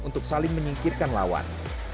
untuk saling menyingkirkan lawan